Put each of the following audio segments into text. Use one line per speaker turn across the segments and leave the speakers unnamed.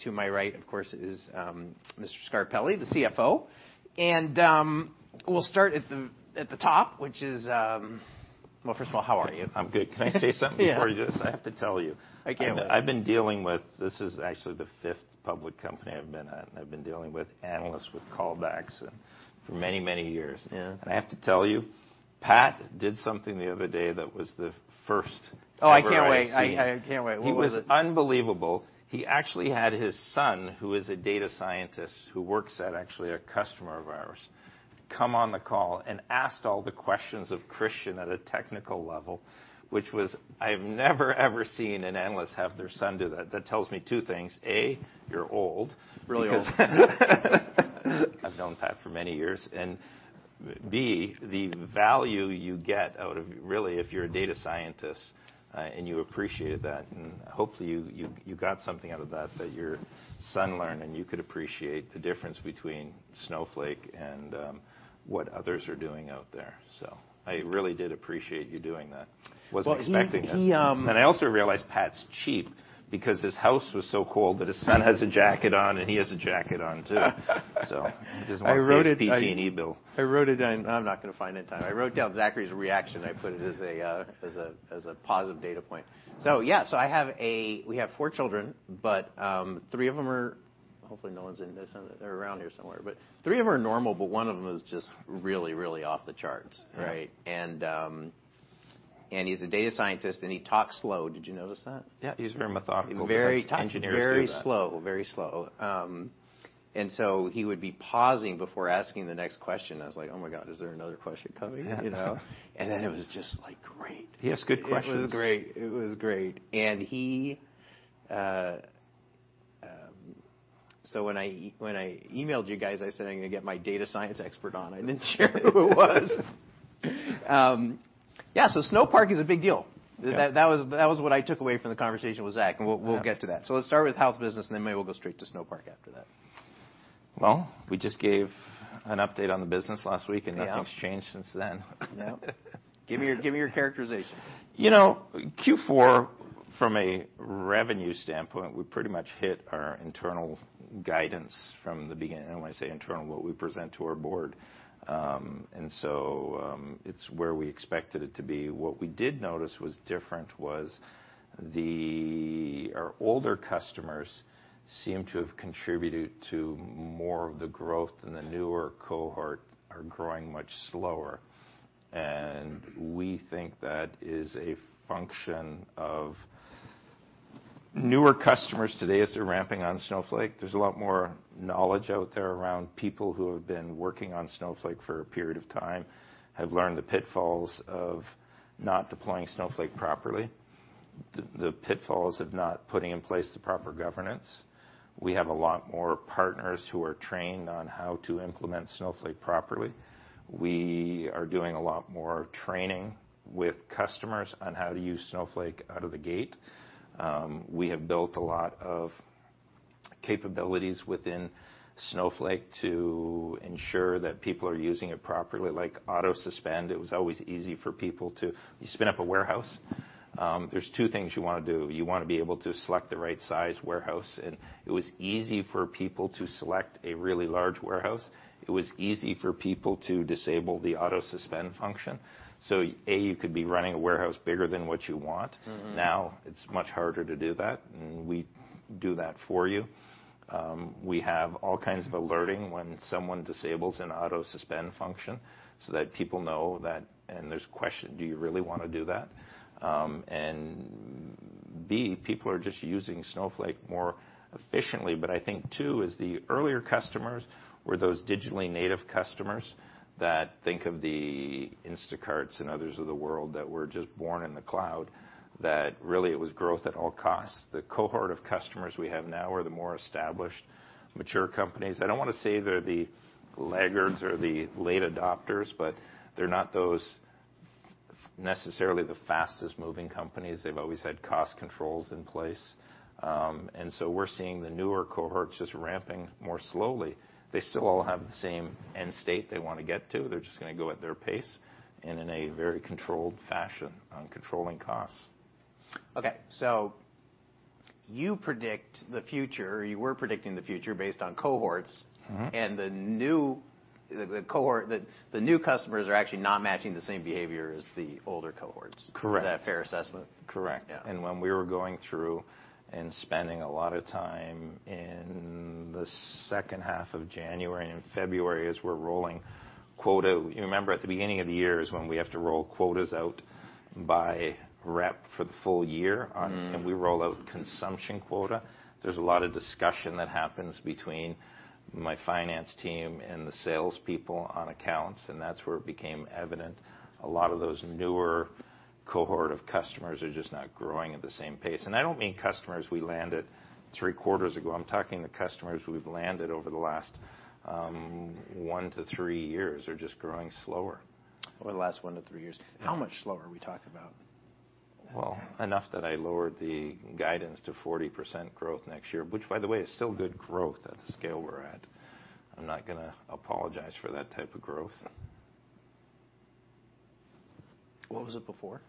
To my right, of course, is Mr. Scarpelli, the CFO. We'll start at the, at the top, which is... Well, first of all, how are you?
I'm good. Can I say something-
Yeah.
Before we do this? I have to tell you.
I can't wait.
This is actually the fifth public company I've been at. I've been dealing with analysts with callbacks for many years.
Yeah.
I have to tell you, Pat did something the other day that was the first ever I've seen...
Oh, I can't wait. I can't wait. What was it?
He was unbelievable. He actually had his son, who is a data scientist, who works at actually a customer of ours, come on the call and asked all the questions of Christian at a technical level. I've never ever seen an analyst have their son do that. That tells me two things. A, you're old.
Really old.
I've known Pat for many years. B, the value you get out of... Really, if you're a data scientist, and you appreciated that, and hopefully you got something out of that your son learned, and you could appreciate the difference between Snowflake and what others are doing out there. I really did appreciate you doing that.
Well, he...
Wasn't expecting that. I also realized Pat's cheap because his house was so cold that his son has a jacket on and he has a jacket on too. It isn't my highest PG&E bill.
I wrote it down. I'm not gonna find it in time. I wrote down Zachary's reaction. I put it as a, as a, as a positive data point. Yeah. We have four children, but, three of them are... Hopefully no one's in this. They're around here somewhere. Three of them are normal, but one of them is just really, really off the charts, right?
Yeah.
He's a data scientist, and he talks slow. Did you notice that?
Yeah. He's very methodical.
Very-
Engineers do that....
very slow. Very slow. He would be pausing before asking the next question. I was like, "Oh my God, is there another question coming?
Yeah.
You know? It was just like, great.
He asked good questions.
It was great. It was great. He, when I emailed you guys, I said, "I'm gonna get my data science expert on." I didn't share who it was. Yeah. Snowpark is a big deal.
Yeah.
That was what I took away from the conversation with Zach, and we'll get to that. Let's start with how's business, maybe we'll go straight to Snowpark after that.
Well, we just gave an update on the business last week.
Yeah.
Nothing's changed since then.
No. Give me your characterization.
You know, Q4, from a revenue standpoint, we pretty much hit our internal guidance from the beginning. When I say internal, what we present to our board. It's where we expected it to be. What we did notice was different was Our older customers seem to have contributed to more of the growth, and the newer cohort are growing much slower. We think that is a function of newer customers today as they're ramping on Snowflake. There's a lot more knowledge out there around people who have been working on Snowflake for a period of time, have learned the pitfalls of not deploying Snowflake properly, the pitfalls of not putting in place the proper governance. We have a lot more partners who are trained on how to implement Snowflake properly. We are doing a lot more training with customers on how to use Snowflake out of the gate. We have built a lot of capabilities within Snowflake to ensure that people are using it properly, like auto-suspend. It was always easy for people to spin up a warehouse. There's two things you wanna do. You wanna be able to select the right size warehouse, and it was easy for people to select a really large warehouse. It was easy for people to disable the auto-suspend function. A, you could be running a warehouse bigger than what you want.
Mm-hmm.
Now it's much harder to do that, we do that for you. We have all kinds of alerting when someone disables an auto-suspend function so that people know that, and there's question, do you really wanna do that? B, people are just using Snowflake more efficiently. I think too is the earlier customers were those digitally native customers that think of the Instacarts and others of the world that were just born in the cloud, that really it was growth at all costs. The cohort of customers we have now are the more established, mature companies. I don't wanna say they're the laggards or the late adopters, but they're not those necessarily the fastest moving companies. They've always had cost controls in place. We're seeing the newer cohorts just ramping more slowly. They still all have the same end state they wanna get to. They're just gonna go at their pace and in a very controlled fashion on controlling costs.
Okay. You predict the future, you were predicting the future based on cohorts.
Mm-hmm.
The new cohort, the new customers are actually not matching the same behavior as the older cohorts.
Correct.
Is that a fair assessment?
Correct.
Yeah.
When we were going through and spending a lot of time in the second half of January and February, as we're rolling quota. You remember at the beginning of the year is when we have to roll quotas out by rep for the full year.
Mm-hmm.
We roll out consumption quota. There's a lot of discussion that happens between my finance team and the salespeople on accounts, and that's where it became evident. A lot of those newer cohort of customers are just not growing at the same pace. I don't mean customers we landed three quarters ago. I'm talking the customers we've landed over the last 1-3 years are just growing slower.
Over the last 1-3 years.
Yeah.
How much slower are we talking about?
Well, enough that I lowered the guidance to 40% growth next year, which by the way, is still good growth at the scale we're at. I'm not gonna apologize for that type of growth.
What was it before?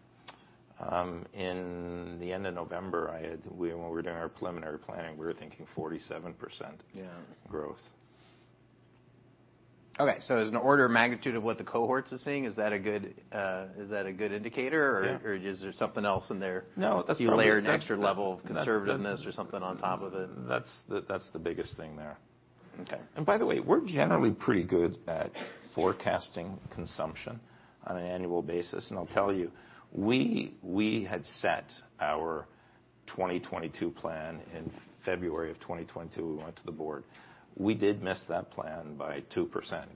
In the end of November, when we were doing our preliminary planning, we were thinking 47%
Yeah....
growth.
Okay, as an order of magnitude of what the cohorts is seeing, is that a good indicator?
Yeah.
Is there something else in there?
No, that's.
Do you layer an extra level of?
That's.
...conservativeness or something on top of it?
That's the biggest thing there.
Okay.
By the way, we're generally pretty good at forecasting consumption on an annual basis. I'll tell you, we had set our 2022 plan in February of 2022, we went to the board. We did miss that plan by 2%,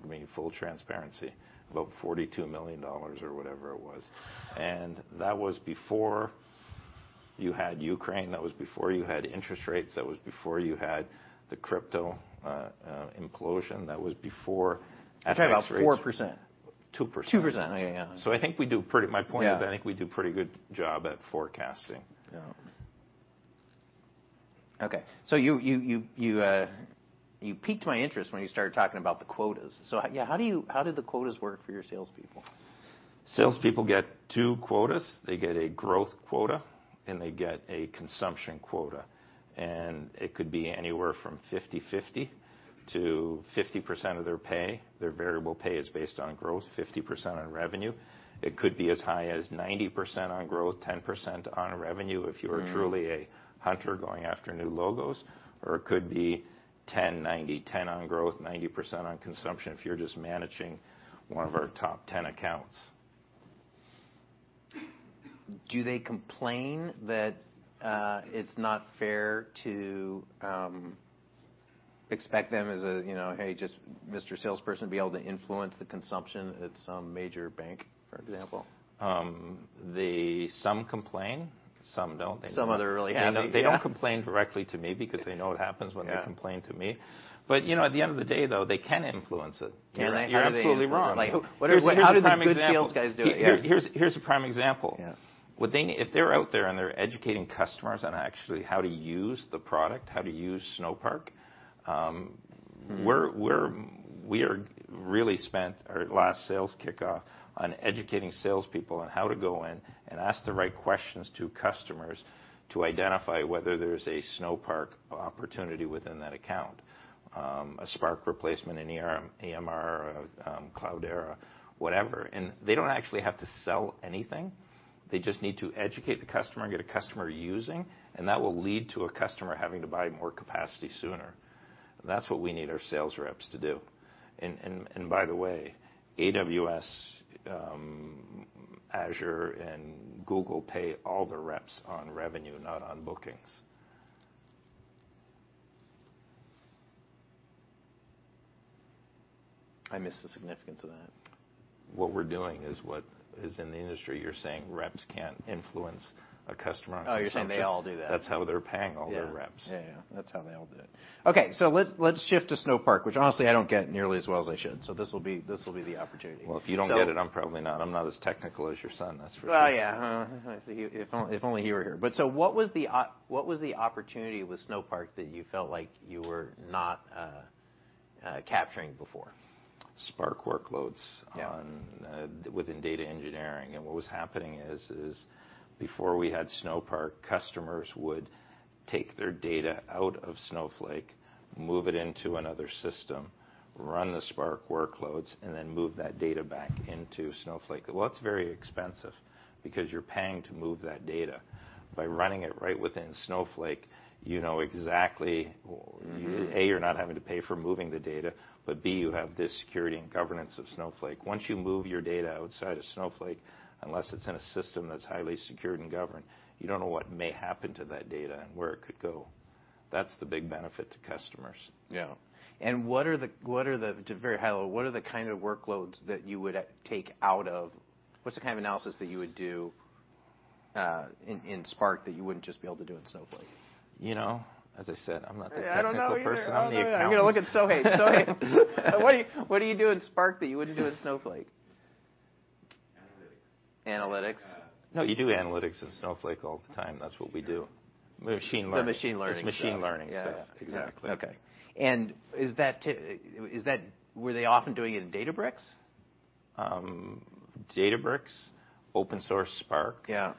giving full transparency, about $42 million or whatever it was. That was before you had Ukraine, that was before you had interest rates, that was before you had the crypto implosion, that was before FX rates-
You're talking about 4%.
2%.
2%. Yeah, yeah.
I think we do my point is.
Yeah...
I think we do pretty good job at forecasting.
Yeah. Okay. You piqued my interest when you started talking about the quotas. How do the quotas work for your salespeople?
Salespeople get two quotas. They get a growth quota, and they get a consumption quota. It could be anywhere from 50/50 to 50% of their pay. Their variable pay is based on growth, 50% on revenue. It could be as high as 90% on growth, 10% on revenue.
Mm...
if you're truly a hunter going after new logos, or it could be 10, 90. 10 on growth, 90% on consumption if you're just managing one of our top 10 accounts.
Do they complain that it's not fair to expect them as a, you know, "Hey, just Mr. salesperson, be able to influence the consumption at some major bank," for example?
Some complain, some don't.
Some other really hate it. Yeah.
They don't complain directly to me because they know what happens when-
Yeah....
they complain to me. You know, at the end of the day, though, they can influence it.
Can they?
You're absolutely wrong.
Like, how do the good sales guys do it? Yeah.
Here's a prime example.
Yeah.
If they're out there and they're educating customers on actually how to use the product, how to use Snowpark.
Mm-hmm
We really spent our last sales kickoff on educating salespeople on how to go in and ask the right questions to customers to identify whether there's a Snowpark opportunity within that account, a Spark replacement in EMR, Cloudera, whatever. They don't actually have to sell anything. They just need to educate the customer and get a customer using, that will lead to a customer having to buy more capacity sooner. That's what we need our sales reps to do. By the way, AWS, Azure and Google Pay all the reps on revenue, not on bookings.
I missed the significance of that.
What we're doing is what is in the industry. You're saying reps can't influence a customer on consumption.
Oh, you're saying they all do that.
That's how they're paying all their reps.
Yeah. Yeah, yeah. That's how they all do it. Okay. Let's shift to Snowpark, which honestly I don't get nearly as well as I should. This will be the opportunity.
If you don't get it, I'm probably not. I'm not as technical as your son, that's for sure.
Oh, yeah. If only, if only he were here. What was the opportunity with Snowpark that you felt like you were not capturing before?
Spark workloads.
Yeah....
within Data Engineering. What was happening is before we had Snowpark, customers would take their data out of Snowflake, move it into another system, run the Spark workloads, and then move that data back into Snowflake. That's very expensive because you're paying to move that data. By running it right within Snowflake, you know exactly.
Mm-hmm
A, you're not having to pay for moving the data, but B, you have the security and governance of Snowflake. Once you move your data outside of Snowflake, unless it's in a system that's highly secured and governed, you don't know what may happen to that data and where it could go. That's the big benefit to customers.
Yeah. What are the, to very high level, what are the kind of workloads that you would take out of-- what's the kind of analysis that you would do, in Spark that you wouldn't just be able to do in Snowflake?
You know, as I said, I'm not the technical person.
I don't know either.
I'm the accountant.
I'm gonna look at Sohail. What do you do in Spark that you wouldn't do in Snowflake?
Analytics.
Analytics.
No, you do analytics in Snowflake all the time. That's what we do. Machine learning. Machine learning.
The machine learning stuff.
It's machine learning stuff.
Yeah.
Exactly.
Okay. Were they often doing it in Databricks?
Databricks, Open Source Spark.
Yeah.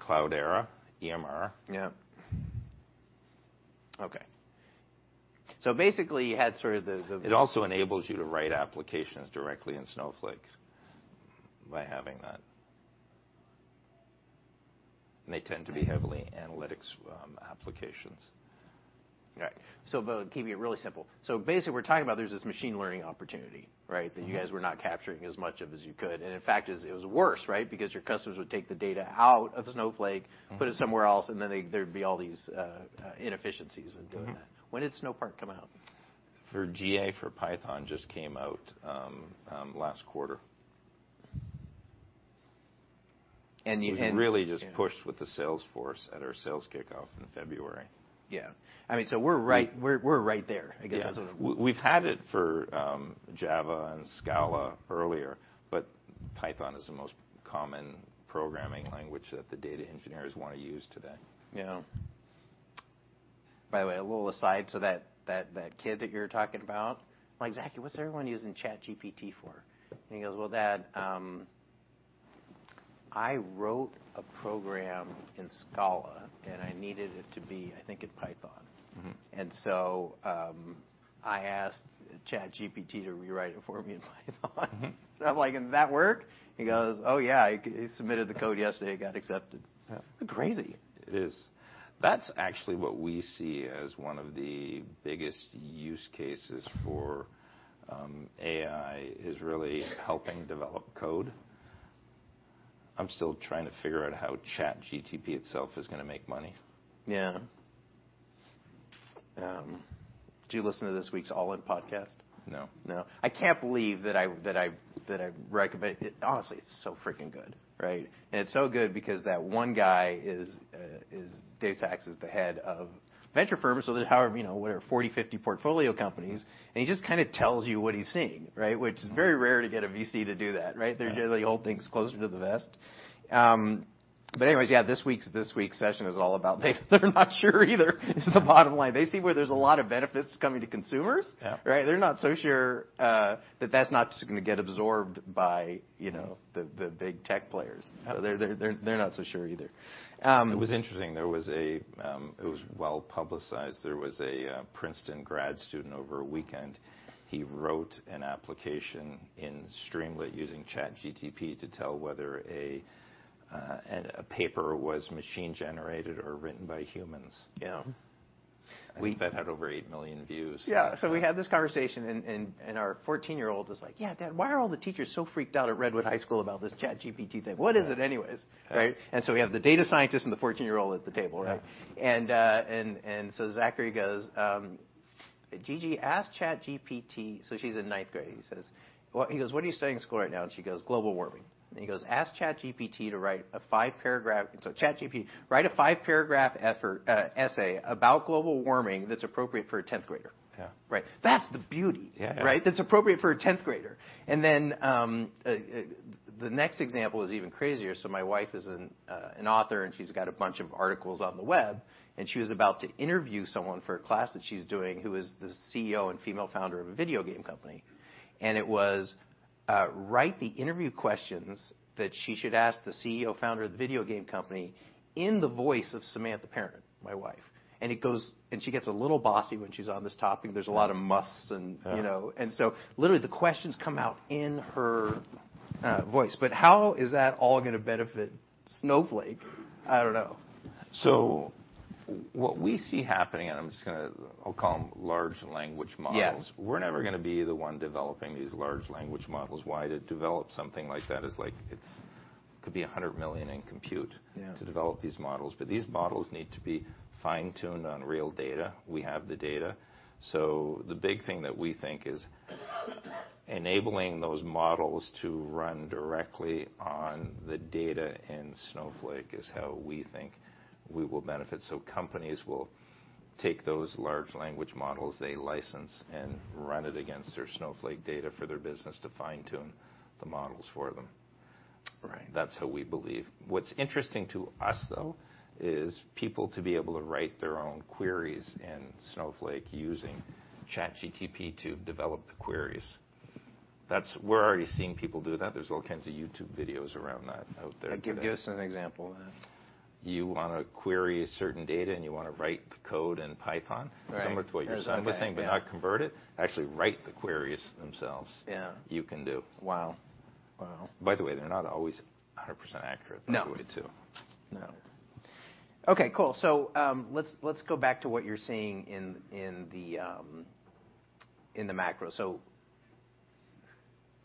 Cloudera, EMR.
Yeah. Okay. Basically, you had sort of.
It also enables you to write applications directly in Snowflake by having that. They tend to be heavily analytics applications.
All right. Keeping it really simple. Basically, we're talking about there's this machine learning opportunity, right?
Mm-hmm.
That you guys were not capturing as much of as you could. In fact, it was worse, right? Because your customers would take the data out of Snowflake-
Mm-hmm....
put it somewhere else, and then there'd be all these inefficiencies in doing that.
Mm-hmm.
When did Snowpark come out?
For GA, for Python just came out, last quarter.
You had...
We really just pushed with the sales force at our sales kickoff in February.
Yeah. I mean, we're right there.
Yeah.
I guess that's what I'm-
We, we've had it for Java and Scala earlier, but Python is the most common programming language that the data engineers wanna use today.
Yeah. By the way, a little aside, that kid that you're talking about, I'm like, "Zachy, what's everyone using ChatGPT for?" He goes, "Well, Dad, I wrote a program in Scala, and I needed it to be, I think, in Python.
Mm-hmm.
I asked ChatGPT to rewrite it for me in Python.
Mm-hmm.
I'm like, "Did that work?" He goes, "Oh yeah, I submitted the code yesterday, it got accepted.
Yeah.
Crazy.
It is. That's actually what we see as one of the biggest use cases for AI, is really helping develop code. I'm still trying to figure out how ChatGPT itself is gonna make money.
Yeah. Did you listen to this week's All-In Podcast?
No.
No. I can't believe that I recommend it. It's so freaking good, right? It's so good because that one guy is David Sacks, is the head of venture firms, so there's however, you know, whatever 40, 50 portfolio companies, and he just kinda tells you what he's seeing, right? Which is very rare to get a VC to do that, right?
Yeah.
They generally hold things closer to the vest. Anyways, yeah, this week's, this week's session is all about Dave. They're not sure either is the bottom line. They see where there's a lot of benefits coming to consumers-
Yeah.
Right? They're not so sure that that's not just gonna get absorbed by the big tech players. They're not so sure either.
It was interesting. It was well-publicized. There was a Princeton grad student over a weekend, he wrote an application in Streamlit using ChatGPT to tell whether a paper was machine-generated or written by humans.
Yeah.
I think that had over 8 million views.
Yeah. We had this conversation and our 14-year-old was like, "Yeah, Dad, why are all the teachers so freaked out at Redwood High School about this ChatGPT thing? What is it anyways?
Right.
Right? We have the data scientist and the 14-year-old at the table, right?
Yeah.
Zachary goes, "GG, ask ChatGPT..." She's in ninth grade. He says, he goes, "What are you studying in school right now?" She goes, "global warming." He goes, "Ask ChatGPT to write a five-paragraph..." "ChatGPT, write a five-paragraph effort, essay about global warming that's appropriate for a 10th-grader.
Yeah.
Right. That's the beauty.
Yeah.
Right? That's appropriate for a 10th-grader. The next example is even crazier. My wife is an author, and she's got a bunch of articles on the web, and she was about to interview someone for a class that she's doing, who is the CEO and female founder of a video game company. Write the interview questions that she should ask the CEO founder of the video game company in the voice of Samantha Parent, my wife. She gets a little bossy when she's on this topic. There's a lot of musts.
Yeah.
You know? Literally the questions come out in her voice. How is that all gonna benefit Snowflake? I don't know.
What we see happening, and I'm just gonna, I'll call them large language models.
Yeah.
We're never gonna be the one developing these large language models. Why? To develop something like that is like, it's, could be $100 million in compute.
Yeah....
to develop these models. These models need to be fine-tuned on real data. We have the data. The big thing that we think is enabling those models to run directly on the data in Snowflake is how we think we will benefit. Companies will take those large language models they license and run it against their Snowflake data for their business to fine-tune the models for them.
Right.
That's how we believe. What's interesting to us, though, is people to be able to write their own queries in Snowflake using ChatGPT to develop the queries. We're already seeing people do that. There's all kinds of YouTube videos around that out there.
Give us an example of that.
You wanna query a certain data, and you wanna write the code in Python.
Right.
Similar to what your son was saying.
Yeah....
but not convert it. Actually write the queries themselves.
Yeah.
You can do.
Wow. Wow.
By the way, they're not always 100% accurate.
No.
That's way too.
No. Okay, cool. Let's go back to what you're seeing in the macro.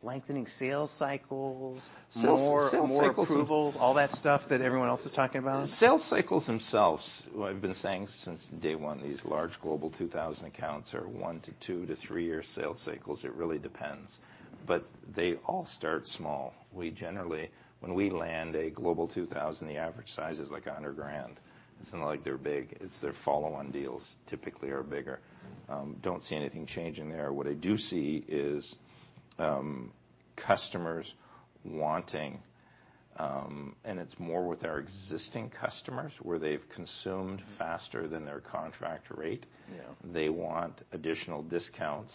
Lengthening sales cycles.
Sales, sales cycles.
More approvals, all that stuff that everyone else is talking about.
Sales cycles themselves, I've been saying since day one, these large Global 2000 accounts are 1 to 2 to 3-year sales cycles. It really depends. They all start small. We generally, when we land a Global 2000, the average size is like $100,000. It's not like they're big. It's their follow-on deals typically are bigger. Don't see anything changing there. What I do see is customers wanting. It's more with our existing customers, where they've consumed faster than their contract rate.
Yeah.
They want additional discounts.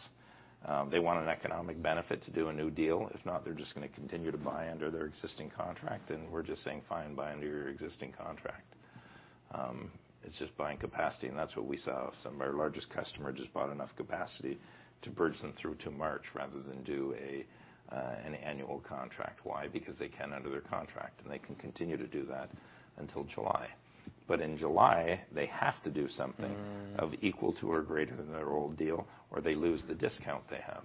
They want an economic benefit to do a new deal. If not, they're just gonna continue to buy under their existing contract, we're just saying, "Fine, buy under your existing contract." It's just buying capacity, that's what we saw. Some of our largest customer just bought enough capacity to bridge them through to March rather than do an annual contract. Why? Because they can under their contract, they can continue to do that until July. In July, they have to do something.
Mm....
of equal to or greater than their old deal, or they lose the discount they have.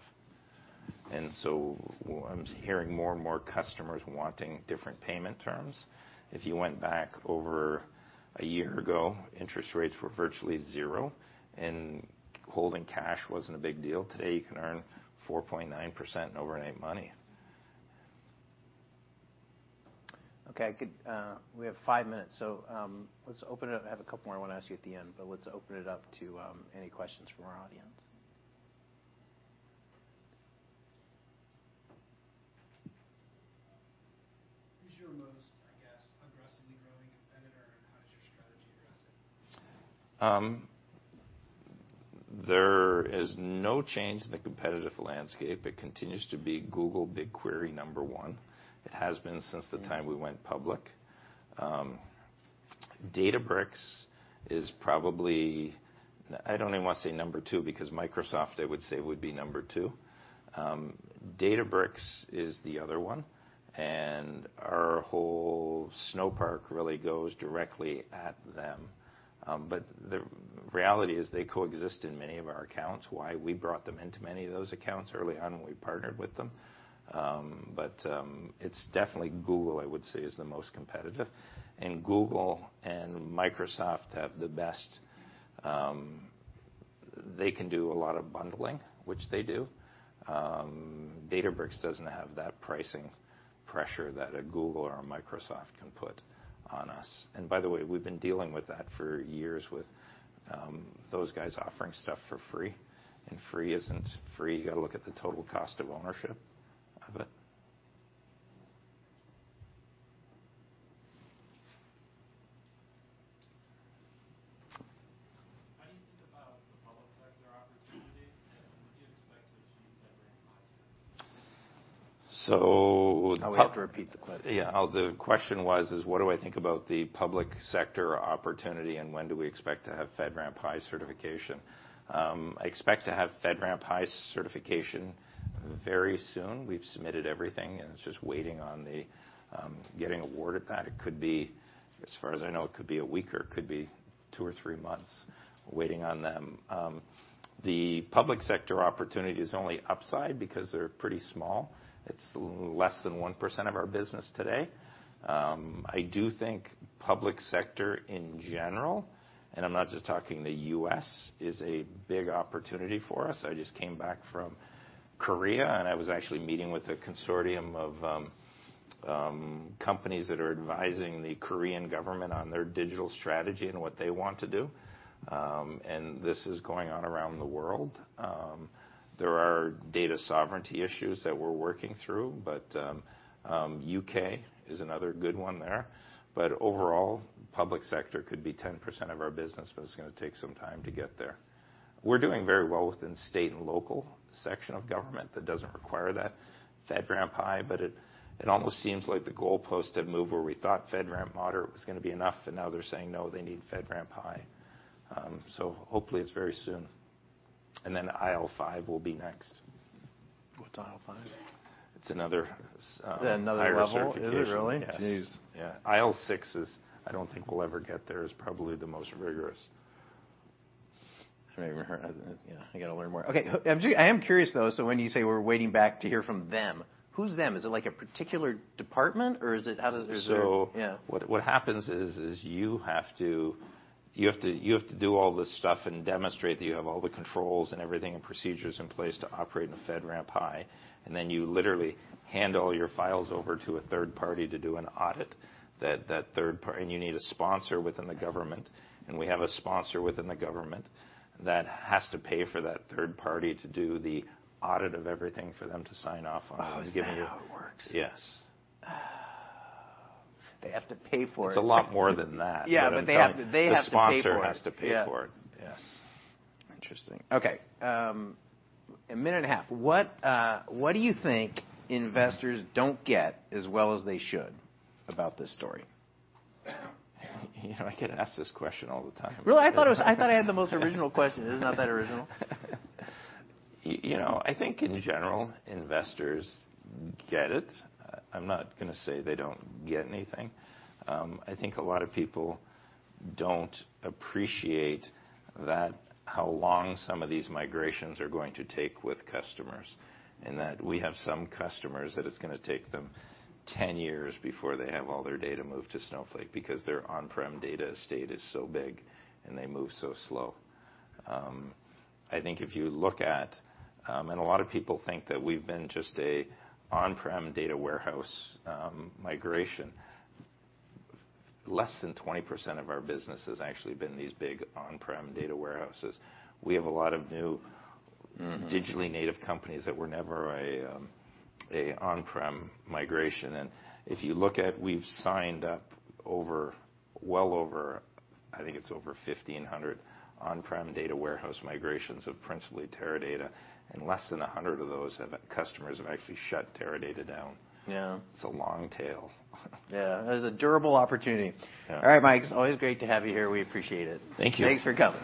I'm hearing more and more customers wanting different payment terms. If you went back over a year ago, interest rates were virtually zero, and holding cash wasn't a big deal. Today, you can earn 4.9% in overnight money.
Okay. Good. We have five minutes, so, let's open it up. I have a couple more I wanna ask you at the end, but let's open it up to any questions from our audience.
Who's your most, I guess, aggressively growing competitor, and how is your strategy aggressive?
There is no change in the competitive landscape. It continues to be Google BigQuery number one. It has been since the time we went public. I don't even want to say number two because Microsoft, I would say, woud be number two. Databricks is the other one. Our whole Snowpark really goes directly at them. The reality is they coexist in many of our accounts. Why? We brought them into many of those accounts early on when we partnered with them. It's definitely Google, I would say, is the most competitive. Google and Microsoft have the best. They can do a lot of bundling, which they do. Databricks doesn't have that pricing pressure that a Google or a Microsoft can put on us. By the way, we've been dealing with that for years with, those guys offering stuff for free, and free isn't free. You gotta look at the total cost of ownership of it.
How do you think about the public sector opportunity, and when do you expect to achieve that ramp high cert?
So-
We have to repeat the question.
The question was is, what do I think about the public sector opportunity, when do we expect to have FedRAMP High certification. I expect to have FedRAMP High certification very soon. We've submitted everything, and it's just waiting on the getting awarded that. As far as I know, it could be a week or it could be two or three months waiting on them. The public sector opportunity is only upside because they're pretty small. It's less than 1% of our business today. I do think public sector in general, I'm not just talking the U.S., is a big opportunity for us. I just came back from Korea, I was actually meeting with a consortium of companies that are advising the Korean government on their digital strategy and what they want to do. This is going on around the world. There are data sovereignty issues that we're working through, U.K. is another good one there. Overall, public sector could be 10% of our business, but it's gonna take some time to get there. We're doing very well within state and local section of government that doesn't require that FedRAMP High, but it almost seems like the goalpost had moved where we thought FedRAMP Moderate was gonna be enough, and now they're saying, no, they need FedRAMP High. Hopefully it's very soon. IL5 will be next.
What's IL5?
It's another,
Another level?
Higher certification.
Is it really?
Yes.
Geez.
Yeah. IL6 is, I don't think we'll ever get there, is probably the most rigorous.
I've never heard. Yeah, I gotta learn more. Okay. I am curious, though, so when you say we're waiting back to hear from them, who's them? Is it like a particular department, or is it? How does? Is there?
So-
Yeah.
What happens is, you have to do all this stuff and demonstrate that you have all the controls and everything and procedures in place to operate in a FedRAMP High. You literally hand all your files over to a third party to do an audit. That third-party. You need a sponsor within the government, and we have a sponsor within the government that has to pay for that third party to do the audit of everything for them to sign off on and give you.
Oh, is that how it works?
Yes.
Oh. They have to pay for it.
It's a lot more than that.
Yeah. They.
I'm saying.
They have to pay for it.
The sponsor has to pay for it.
Yeah. Yes. Interesting. Okay, one minute and a half. What, what do you think investors don't get as well as they should about this story?
You know, I get asked this question all the time.
Really? I thought I had the most original question. It's not that original?
You know, I think, in general, investors get it. I'm not gonna say they don't get anything. I think a lot of people don't appreciate that how long some of these migrations are going to take with customers, and that we have some customers that it's gonna take them 10 years before they have all their data moved to Snowflake because their on-prem data estate is so big and they move so slow. I think if you look at... A lot of people think that we've been just an on-prem data warehouse migration. Less than 20% of our business has actually been these big on-prem data warehouses. We have a lot of new-
Mm-hmm.
Digitally native companies that were never a on-prem migration. If you look at, we've signed up over, well over, I think it's over 1,500 on-prem data warehouse migrations of principally Teradata, and less than 100 of those customers have actually shut Teradata down.
Yeah.
It's a long tail.
Yeah. It is a durable opportunity.
Yeah.
All right, Mike. It's always great to have you here. We appreciate it.
Thank you.
Thanks for coming.